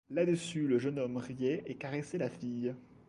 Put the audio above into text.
Là-dessus le jeune homme riait et caressait la fille.